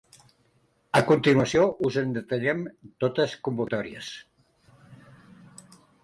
A continuació us en detallem totes convocatòries.